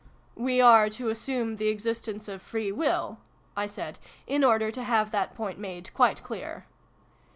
" We are to assume the existence of Free Will ?" I said, in order to have that point made quite clear.